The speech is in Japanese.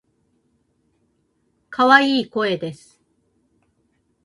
可愛い声です。